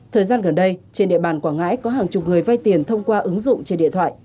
thời gian gần đây trên địa bàn quảng ngãi có hàng chục người vay tiền thông qua ứng dụng trên điện thoại